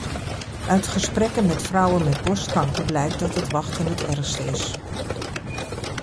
Uit gesprekken met vrouwen met borstkanker blijkt dat het wachten het ergste is.